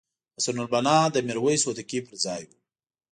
حسن البناء د میرویس هوتکي پرځای وو.